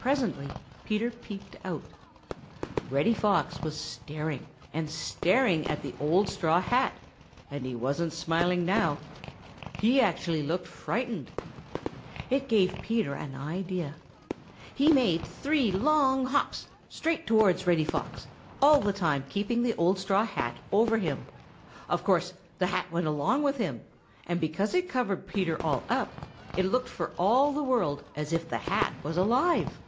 Presently Peter peeped out. Reddy Fox was staring and staring at the old straw hat, and he wasn't smiling now. He actually looked frightened. It gave Peter an idea. He made three long hops straight towards Reddy Fox, all the time keeping the old straw hat over him. Of course the hat went along with him, and, because it covered Peter all up, it looked for all the world as if the hat was alive.